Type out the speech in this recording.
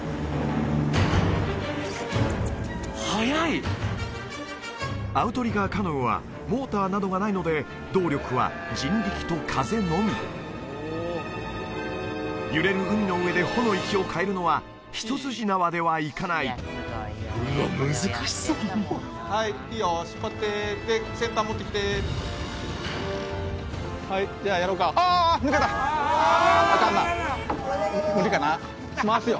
速いアウトリガーカヌーはモーターなどがないので動力は人力と風のみ揺れる海の上で帆の位置を変えるのは一筋縄ではいかないうわっ難しそうはいいいよ引っ張ってで先端持ってきてはいじゃあやろうかアカンな無理かな回すよ